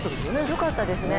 よかったですね。